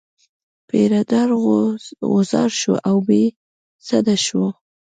پیره دار غوځار شو او بې سده شو.